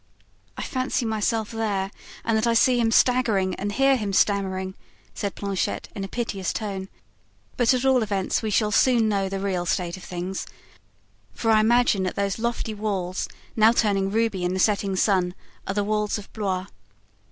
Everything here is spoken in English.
"I fancy myself there and that I see him staggering and hear him stammering," said Planchet, in a piteous tone, "but at all events we shall soon know the real state of things, for I imagine that those lofty walls, now turning ruby in the setting sun, are the walls of Blois."